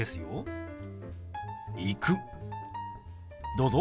どうぞ。